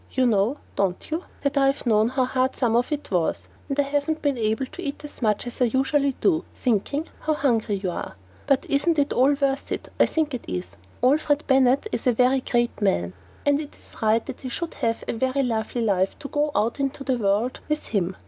You know, don't you, that I have known how hard some of it was, and I haven't been able to eat as much as I usually do, thinking how hungry you are? But isn't it all worth it? I think it is. Alfred Bennett is a very great man, and it is right that he should have a very lovely wife to go out into the world with him.